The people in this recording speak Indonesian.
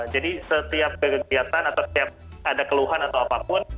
jadi setiap kegiatan atau setiap ada keluhan atau apapun